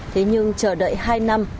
thế nhưng chờ đợi hai năm